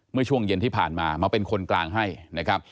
เมื่อช่วงเย็นที่ผ่านมามาเป็นคนกลางให้นะครับ